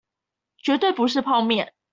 絕對不是泡麵